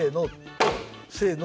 せの！